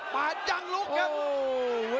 ปาดจังลุกครับโอ้โห